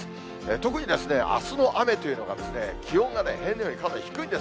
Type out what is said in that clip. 特にあすの雨というのが、気温が平年よりかなり低いんです。